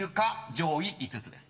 上位５つです］